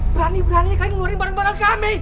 berani beraninya kalian ngeluarin barang barang kami